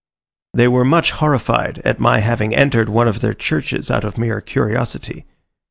They were much horrified at my having entered one of their churches out of mere curiosity.